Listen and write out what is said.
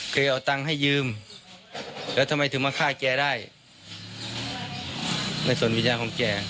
เอาตังค์ให้ยืมแล้วทำไมถึงมาฆ่าแกได้ในส่วนวิญญาณของแก